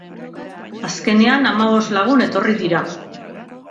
Azkenean hamabost lagun etorri dira.